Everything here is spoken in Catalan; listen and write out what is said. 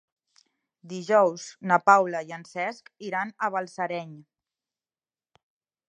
Dijous na Paula i en Cesc iran a Balsareny.